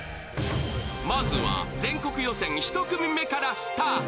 まずは全国予選１組目からスタート